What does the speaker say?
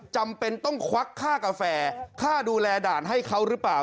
จำเป็นต้องควักค่ากาแฟค่าดูแลด่านให้เขาหรือเปล่า